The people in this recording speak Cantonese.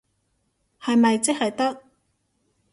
係咪即係得？